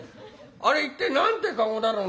あれ一体何て駕籠だろうね？」。